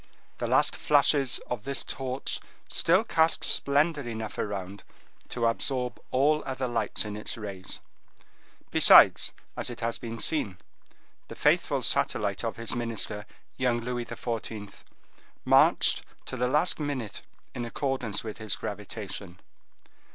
The last flashes of this torch still cast splendor enough around to absorb all other lights in its rays. Besides, as it has been seen, the faithful satellite of his minister, young Louis XIV., marched to the last minute in accordance with his gravitation.